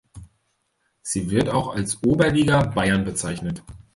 Sie wird auch als Oberliga Bayern bezeichnet.